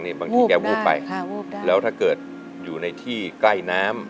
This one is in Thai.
แกศู่กแล้วถ้าเกิดอยู่ในที่ใกล้น้ำ